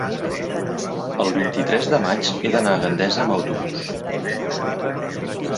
el vint-i-tres de maig he d'anar a Gandesa amb autobús.